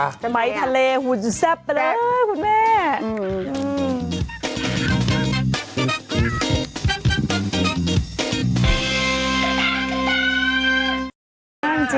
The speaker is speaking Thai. สมัยทะเลหุ่นแซ่บไปเลยคุณแม่